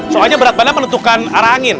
soalnya berat badan menentukan arah angin